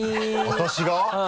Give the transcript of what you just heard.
私が？